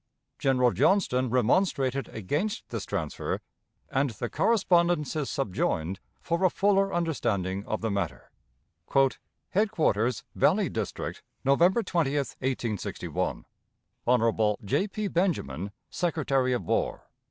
General Johnston remonstrated against this transfer, and the correspondence is subjoined for a fuller understanding of the matter: "Headquarters, Valley District, November 20, 1861. "Hon. J. P. Benjamin, Secretary of War.